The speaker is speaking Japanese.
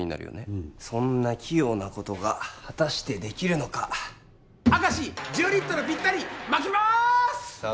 うんそんな器用なことが果たしてできるのか明石１０リットルぴったりまきますさあ